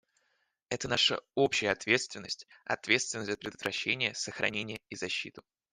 Это наша общая ответственность, — ответственность за предотвращение, сохранение и защиту.